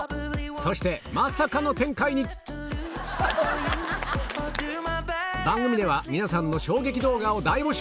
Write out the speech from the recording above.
そしてまさかの展開に番組では皆さんの衝撃動画を大募集